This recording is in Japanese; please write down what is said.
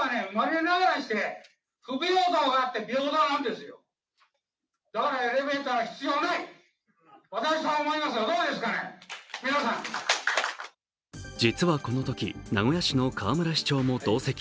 しかし、この直後実は、このとき名古屋市の河村市長も同席。